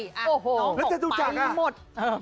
เนาะมาให้หมด